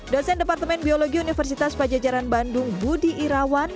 dosen departemen biologi universitas pajajaran bandung budi irawan